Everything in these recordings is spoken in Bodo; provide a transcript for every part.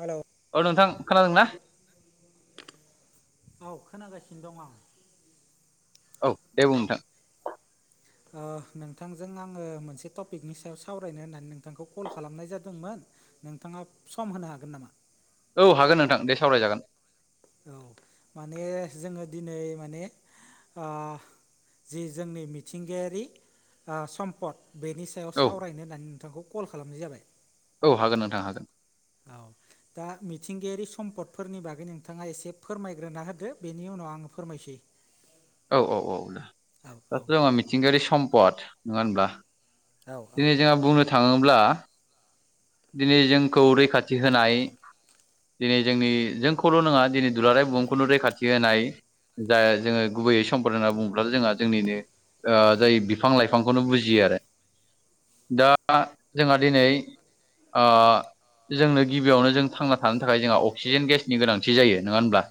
हेलौ औ नोंथां खोनादोंना औ खोनागासिनो दं आं औ दे बुं नोंथां नोंथांजों आङो मोनसे टपिकनि सायाव सावरायनो होननानै नोंथांखौ कल खालामनाय जादोंमोन नोंथाङा सम होनो हागोन नामा औ हागोन नोंथां दे सावरायजागोन औ माने जोङो दिनै माने जि जोंनि मिथिंगायारि सम्पद बेनि सायाव औ सावरायनो होननानै नोंथांखौ कल खालामनाय जाबाय औ हागोन नोंथां हागोन औ दा मिथिंगायारि सम्पदफोरनि बागै नोंथाङा एसे फोरमायग्रोना होदो बेनि उनाव आं फोरमायसै औ औ औ औ औ दाथ' जङ मिथिंगायारि सम्पद नङा होनब्ला औ दिनै जोंहा बुंनो थाङोब्ला दिनै जोंखौ रैखाथि होनाय दिनै जोंनि जोंखौल' नङा दिनै दुलाराय बुहुमखौनो रैखाथि होनाय जाय जोङो गुबैयै सम्पद होनना बुङोब्ला जोंहा जोंनिनो जाय बिफां लाइफांखौनो बुजियो आरो दा जोंहा दिनै अ जोंनो गिबियावनो जों थांना थानो थाखाय जोंहा अक्सिजेन गेसनि गोनांथि जायो नोङा होनब्ला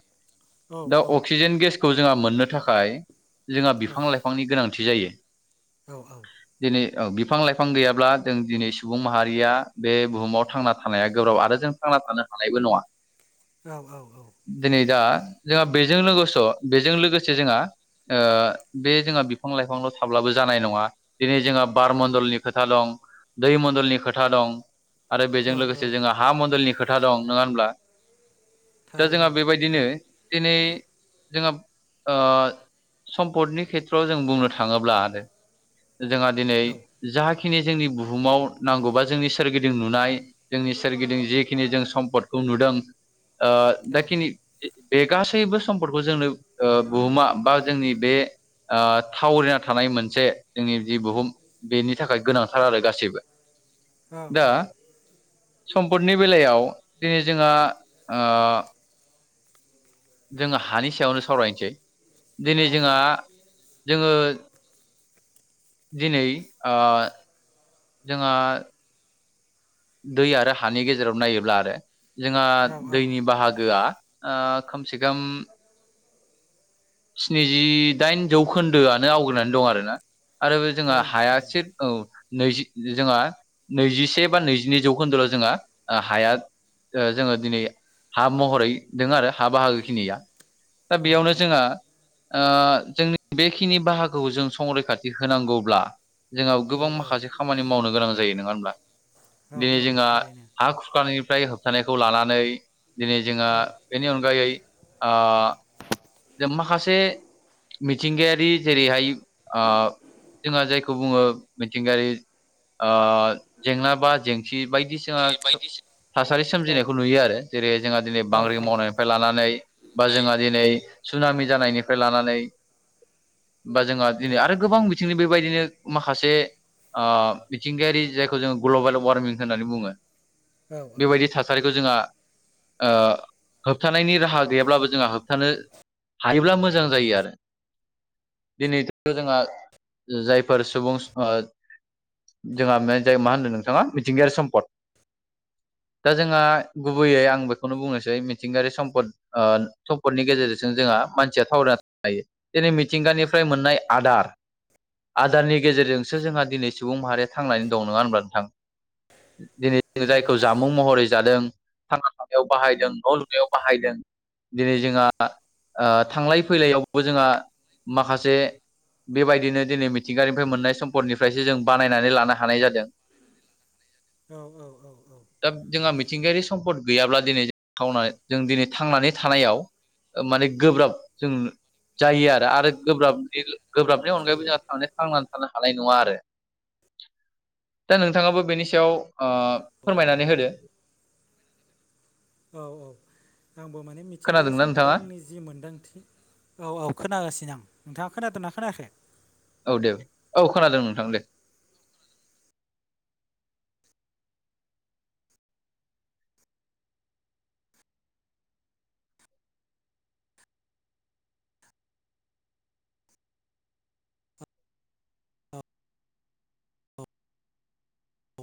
औ दा औ अक्सिजेन गेसखौ जोंहा मोननो थाखाय जोंहा बिफां लाइफां बिफांनि गोनांथि जायो औ औ दिनै बिफां लाइफां गैयाब्ला जों दिनै सुबुं माहारिया बे बुहुमाव थांना थानाया गोब्राब आरो जों थांना थानो हानायबो नङा औ औ औ दिनै दा जोंहा बेजों लोगोसे' बेजों लोगोसे जोंहा ओ बे जोंहा बिफां लाइफांल' थाब्लाबो जानाय नङा दिनै जोंहा बार मन्दलनि खोथा दं दै मण्डलनि खोथा दं आरो औ बेजों लोगोसे जोंहा हा मन्दोलनि खोथा दं नङा होनब्ला दा जोंहा थारैनो औ बेबायदिनो दिनै जोंहा सम्पदनि खेथ्रआव जों बुंनो थाङोब्लाानो जोंहा दिनै औ जाखिनि जोंनि बुहुमाव नांगौबा जोंनि सोरगिदिं नुनाय जोंनि सोरगिदिं जिखिनि जों सम्पदखौ नुदों ओ औ दाखिनि बे गासैबो सम्फोरखौ जोंनो ओ बुहुमा बा जोंनि बे थावरिना थानाय मोनसे जोंनि जि बुहुम बेनि थाखाय गोनांथार आरो गासैबो औ औ दा सम्पदनि बेलायाव दिनै जोंहा जोङो हानि सायावनो सावरायनोसै दिनै जोंहा जोङो दिनै आ जोङा दै आरो हानि गेजेराव नायोब्ला आरो जोंहा औ औ औ दैनि बाहागो गोआ ओ खोमसे खम स्निजिदाइन जौखोन्दोआनो आवग्रिनानै दं आरोना आरो जोंहा थारैनो थारैनो हायास औ नैजि जोंहा नैजिसे बा नैजिनै जौखोन्दोल' जोंहा हाया जोङो दिनै हा महरै द आरो हा बाहागोखिनिया दा औ बेयावनो औ जोंहा आ जोंनि बेखिनि बाहागोखौ जों संरैखाथि होनांगौब्ला जोंनाव औ गोबां माखासे खामानि मावनो गोनां जायो नङा होमब्ला? औ दिनै औ जोंहा थारैनो हा खुरखनिफ्राय होबथानायखौ लानानै दिनै जोंहा औ बेनि अनगायै आ जों माखासे मिथिंगायारि जेरैहाय ओ जोंहा जायखौ बुङो मिथिंगायारि ओ जेंना बा जेंसि बायदिसिना बायदिसिना थासारि औ सोमजिनायखौ नुयो आरो जेरै जोंहा दिनै बांग्रि औ मावनायनिफ्राय लानानै बा जोंहा दिनै सुनामि जानायनिफ्राय लानानै बा जोंहा दिनै आरो गोबां बिथिंनि बेबायदिनो माखासे मिथिंगायारि जायखौ जोङो ग्लबेल वारमिं होननानै बुङो औ औ बेबायदि थास थासारिखौ जोंहा होबथानायनि राहा गैयाब्लाबो जोंहा होबथानो हायोब्ला मोजां जायो आरो। दिनैथ' जोंहा जायफोर सुबुं जोंहा ज मा होनदों नोंथाङा मिथिंगायारि समपद दा जोंहा गुबैयै आं बेखौनो बुंनोसै मिथिंगायारि सम्पद ओ सम्पदनि गेजेरजों जों जोंहा मानसिया थावरायायना हायो दिनै मिथिंगानिफ्राय मोननाय आदार आदारनि गेजेरजोंसो जोंहा दिनै सुबुं माहारिया थांनानै दं नङा होनब्लानो थाङो दिनै जायखौ थारैनो जाम मुं महरै जादों थांना थानायाव बाहायदों न' लुनायाव बाहायदों दिनै जोंहा ओ थांलाय फैलायावबो जोंहा माखासे बेबायदिनो दिनै मिथिंगानिफ्राय मोननाय सम्पदनिफ्रायसो जों बानायनानै लानो हानाय जादों। औ औ औ औ दा जोंहा मिथिंगायारि सम्पद गैयाब्ला दिनै जों दिनै थांनानै थानायाव माने गोब्राब जों जायो आरो आरो गोब्राबनि गोब्राबनि अनगायैबो जायो जोंहा थाने थांनानै थानो हानाय नङा आरो। दा नोंथाङाबो बेनि सायाव औ फोरमायनानै होदो। औ औ आंबो माने मिथिंगायारि खोनादोंना सम्पदआव नोंथाङा आंनि जि मोनदांथि औ औ खोनागासिनो आं नोंथाङा खोनादोंना खोनायाखै? औ दे औ खोनादों नोंथां दे औ औ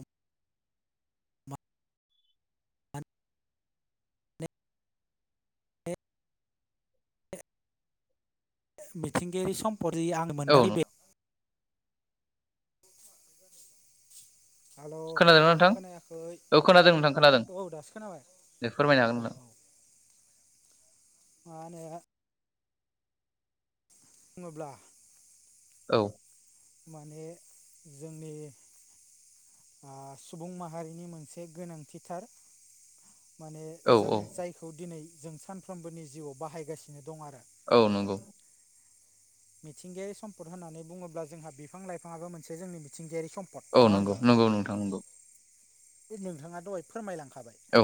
मिथिंगायारि सम्पदयै आं औ मोन्दांनाय बादियै नोंथां हेलौ खोनादों ना खोनादोंना नोंथां खोनायाखै औ खोनादों नोंथां खोनादों औ दासो खोनाबाय दे फोरमायनो हागोन औ नोंथां। औ मा होनो? बुङोब्ला औ माने जोंनि सुबुं माहारिनि मोनसे गोनांथिथार माने औ जों जायखौ दिनै जों सानफ्रोमबोनि जिउआव बाहायगासिनो दं आरो। औ नंगौ मिथिंगायारि सम्पद होननानै बुङोब्ला जोंहा बिफां लाइफाङाबो मोनसे जोंनि मिथिंगायारि सम्पद। औ पट नङा नंगौ होनबा नंगौ नोंथां? नोंथां नंगौ बे नोंथाङा दहाय फोरमायलांखाबाय औ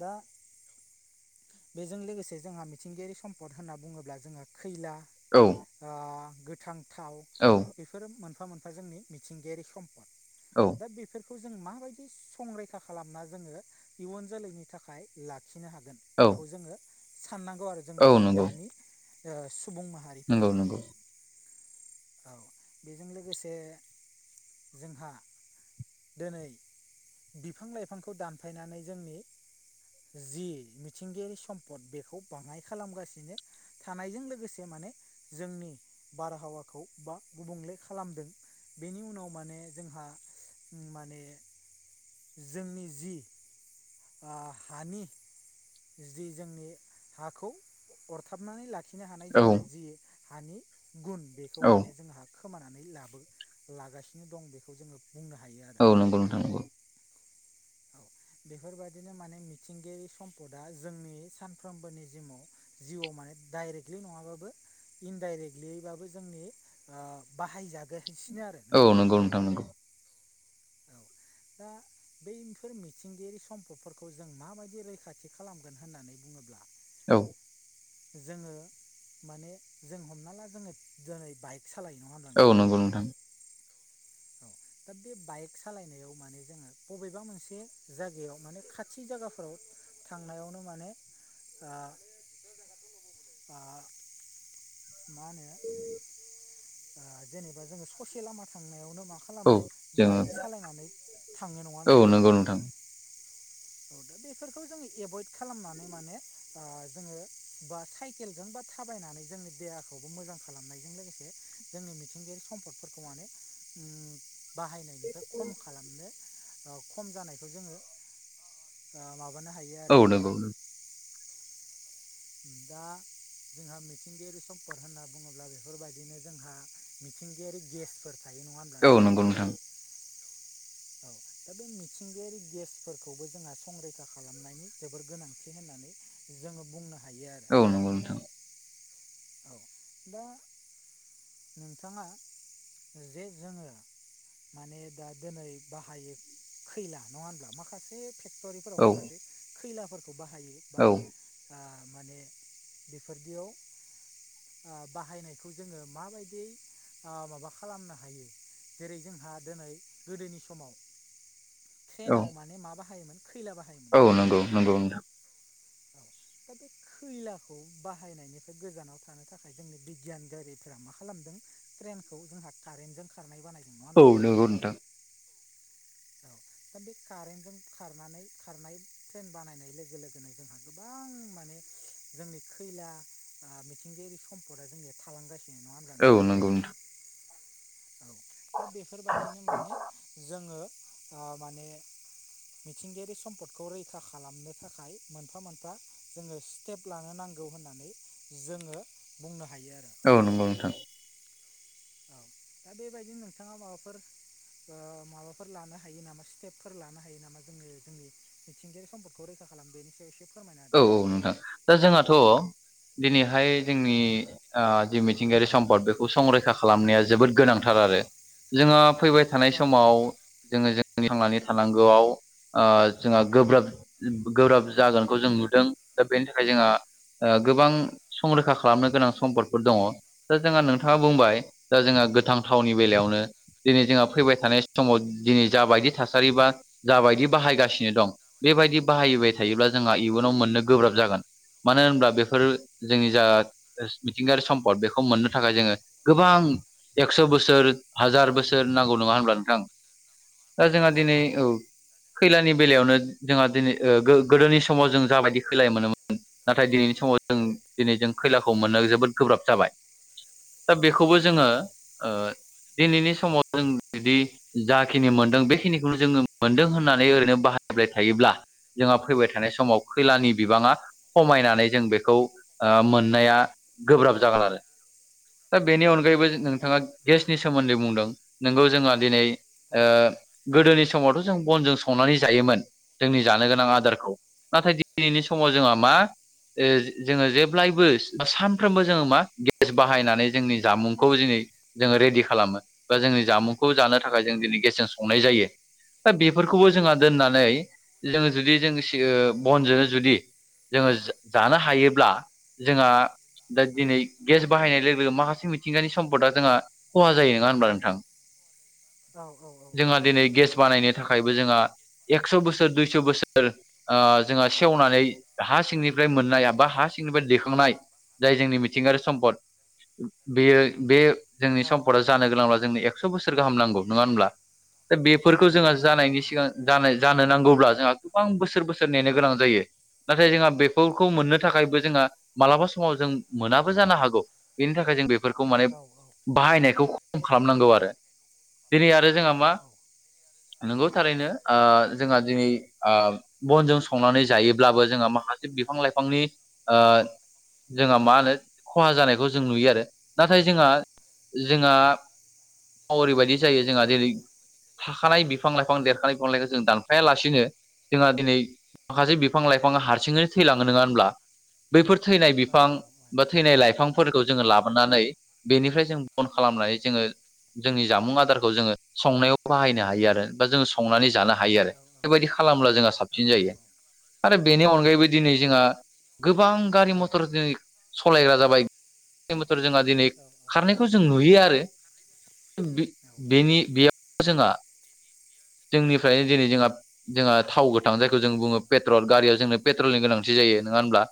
दा बेजों लोगोसे जोंहा मिथिंगायारि सम्पद होनना बुङोब्ला जोंहा खैला औ गोथां थाव औ बेफोरो मोनफा मोनफा जोंनि मिथिंगायारि सम्पद औ दा बेफोरखौ जों माबायदि संरैखा खालामना जोङो इयुन जोलैनि थाखाय लाखिनो हागोन औ बेखौ जोङो साननांगौ आरो औ जोंनि नंगौ दानि सुबुं माहारि नंगौ नंगौ औ बेजों लोगोसे जोंहा दिनै बिफां लाइफांखौ दानफायनानै जोंनि जि मिथिंगायारि सम्पद बेखौ बाङाय खालामगासिनो थानायजों लोगोसे माने जोंनि बारहावाखौ बा गुबुंले खालामदों बेनि उनाव माने जोंहा माने जोंनि जि हानि जि जोंनि हाखौ अरथाबनानै लाखि आखिनो हानाय औ जोंनि जि हानि गुन बेखौ औ माने जों हा खोमानानै लाबो लागासिनो दं बेखौ जोङो बुंनो हायो आरो औ नंगौ नोंथां नंगौ औ। बेफोरबायदिनो माने मिथिंगायारि सम्पदा जोंनि सानफ्रोमबोनि जिमाव जिउआव माने डाइरेक्टलि नङाबाबो इनडाइरेक्टलिबाबो जोंनि बाहायजागसिनो आरो औ नोंथां नंगौ नंगौ औ दा बैफोर मिथिंगायारि सम्पदफोरखौ जों माबायदि रैखाथि खालामगोन होननानै बुङोब्ला औ जोङो माने जों हमना ला जोङो दिनै बाइक सालायो नङा होनदों नोंथां औ नोंथां औ दा बे बाइक सालायनायाव माने जोङो बबेबा मोनसे जायगायाव माने खाथि खाथि जायगाफोराव थांनायावनो माने मा होनो जेनेबा जोङो ससे लामा थांनायावनो मा औ खालामो जोङो बाइक सालायनानै थाङो नङा औ होनब्ला नोंथां। नंगौ औ दा बेफोरखौ जोङो एभयड खालामनानै माने जोङो बा साइ साइकेलजों बा थाबायनानै जोंनि देहाखौबो मोजां खालामनायजों लोगोसे। जोंनि मिथिंगायारि सम्पदफोरखौ माने बाहायनायनिफ्राय खम खालामनो खम जानायखौ जोङो। माबानो हायो। औ आरो नंगौ नंगौ दा जोंहा मिथिंगायारि सम्पद होनना बुङोब्ला बेफोरबायदिनो जोंहा मिथिंगायारि गेसफोर थ थायो नङा होनबा औ नोंथां नंगौ नोंथां औ दा बे मिथिंगायारि गेसफोरखौबो जोंहा संरैखा खालामनायनि जोबोर गोनांथि होननानै। जोङो बुंनो हायो आरो औ नंगौ नोंथां औ दा नोंथाङा जे जोङो माने दा दिनै बाहायो खैला नङा होनब्ला माखासे फेक्ट'रि फोराव औ माखासे खैलाफोरखौ बाहायो औ बा- आ माने बेफोरदियाव बाहायनायखौ जोङो माबायदि माबा खालामनो हायो जेरै जोंहा दिनै गोदोनि समाव औ ट्रेनाव माने मा बाहायोमोन खैला बाहाय औ नंगौ नंगौ नोंथां औ दा बे खैलाखौ बाहायनायनिफ्राय गोजानाव थानो थाखाय जोंनि बिगियान गिरिफोरा मा खालामदों ट्रेनखौ जोंहा कारेन्टजों खारनाय बानायदों नङा होनबा नोंथां औ नंगौ नोंथां औ दा बे कारेन्टजों खारनानै खारनाय ट्रेन बानायनाय लोगो लोगोनो जोंहा गोबां माने जोंनि खैला मिथिंगायारि सम्पदा जोंनि थालांगासिनो नङा होनब्ला औ नोंथां नंगौ औ दा बेफोरबायदिनो माने जोङो माने मिथिंगायारि सम्पदखौ रैखा खालामनो थाखाय मोनफा मोनफा जोङो स्टेप लानो नांगौ होननानै जोङो बुंनो हायो आरो औ नंगौ नोंथां। औ दा बेबायदिनो नोंथाङा माबाफोर माबाफोर लानो हायो नामा स्टेपफोर लानो हायो नामा जोङो जोंनि मिथिंगायारि सम्पदखौ रैखा खालामनो बेनि सायाव एसे फोरमायना होदो औ औ नोंथां दा जोंहाथ' दिनैहाय जोंनि जि मिथिंगायारि सम्पद बेखौ संरैखा खालामनाया जोबोद गोनांथार आरो जोहा फैबाय थानाय औ समाव जोङो जों जोंनि थांनानै थानांगौआव जोंहा गोब्राब गोब्राब जागोन खौ जों नुदों दा बेनि थाखाय जोंहा गोबां संरैखा खालामनो गोनां सम्पदफोर दङ। दा जोंहा नोंथाङा बुंबाय दा जोंहा गोथां थावनि बेलायावनो दिनै जोंहा फैबाय था थानाय समाव दिनै जाबायदि थासारि बा जाबायदि बाहायगासिनो दं बेबायदि बाहायबाय थायोब्ला जोंहा इयुनाव मोननो गोब्राब जागोन मानो होनब्ला बेफोर जोंनि जा मिथिंगायारि सम्पद बेखौ मोननो थाखाय जोङो गोबां एकस' बोसोर हाजार बोसोर नांगौ नङा होनब्ला नोंथां [unintelligible] दा जोंहा दिनै औ खैलानि बेलायावनो जोंहा दिनै गोदोनि समाव जों जाबायदि होलाय मोनोमोन नाथाय दिनैनि समाव जों दिनै जों खैलाखौ मोननो जोबोद गोब्राब जाबाय दा बेखौबो औ जोङो दिनैनि समाव जों बिदि जाखिनि मोनदों बेखिनिखौनो जोङो मोनदों होननानै ओरैनो बाहायबाय थायोब्ला जोंहा फैबाय थानाय समाव खैलानि बिबाङा खमायनानै जों बेखौ मोननाया गोब्राब जागोन आरो दा बेनि अनगायैबो नोंथाङा गेसनि सोमोन्दै बुंदों नंगौ जोंहा दिनै औ गोदोनि समावथ' जों बनजों संनानै जायोमोन जोंनि जानो गोनां आदार नाथाय दिनैनि समाव जोंहा मा जोङो जेब्लायबो सानफ्रोमबो जोङो मा गेस बाहायनानै जोंनि जामुंखौ जों जोङो रेडि खालामो बा जोंनि जामुंखौ जानो औ थाखाय जों दिनै गेसजों संनाय जायो दा बेफोरखौबो जोंहा दोननानै जोङो जुदि जों बनजोंनो जुदि जोङो जानो हायोब्ला जोंहा दा दिनै गेस बाहायनाय लोगो माखासे मिथिंगानि सम्पदा जोंहा खहा जायो नङा होनबा नोंथां औ औ औ जोंहा दिनै थारैनो गेस बानायनो थाखायबो जोंहा एकस' बोसोर दुइस' बोसोर जोंहा सेवनानै हा सिंनिफ्राय मोननाय एबा हा सिंनिफ्राय दैखांनाय जाय जोंनि मिथिंगा सम्पद बेयो बे जोंनि औ सम्पदआ जानो गोनांब्ला जोंनो एकस' बोसोर गाहाम नांगौ नङा होमब्ला दा बेफोरखौ नंगौ जोंहा नंगौ नंगौ जानायनि सिगां थारैनो जानाय जानो नांगौब्ला जोंहा गोबां बोसोर बोसोर बोसोर नेनो गोनां जायो नाथाय जोंहा बेफोरखौ औ मोननो थाखायबो जोंहा मालाबा समाव जों मोनाबो जानो हागौ बेनि थाखाय जों बेफोरखौ मानि औ बाहायनायखौ खम खालामनांगौ आरो दिनै आरो जोहा औ मा औ नोंगौ थारैनो ओ जोंहा दिनै ओ बनजों संनानै जायोब्लाबो जोंहा माखासे बिफां लाइफांनि ओ जोंहा मा होनो ख'हा जानायखौ जों नुयो आरो नाथाय जोंहा जोंहा फावारिबादि जायो जोंहा औ जेरै थाखानाय बिफां लाइफां देरखानाय बिफां लाइखौ जों दानफायालासिनो जोंहा दिनै माखासे बिफां लाइफांआ हारसिङैनो थैलाङो नङा होनब्ला बैफोर थैनाय औ बिफां औ बा थैनाय लाइफांफोरखौ जोङो लाबोनानै बेनिफ्राय जों बन खालामनानै जोङो जोंनि जामुं आदारखौ जोङो संनायाव बाहायनो हायो आरो बा जोङो संनानै जानो हायो आरो औ बेबायदि खालामब्ला जोंहा साबसिन जायो आरो बेनि अनगायैबो दिनै जोंहा गोबां गारि मथर दिनै सलायग्रा जाबाय गारि मथर जोंहा दिनै औ खारनायखौ जों नुयो आरो औ औ बेनि बेयाव जोंहा जोंनिफायनो दिनै जोंहा जोंहा थाव गोथां जाय जों बुङो पेट्रल गारिआ जोंनोे पेट्रलनि गोनांथि जायो नङा होनब्ला